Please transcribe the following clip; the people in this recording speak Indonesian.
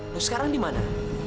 lu sekarang dimana